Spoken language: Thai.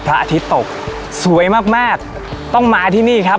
อาทิตย์ตกสวยมากมากต้องมาที่นี่ครับ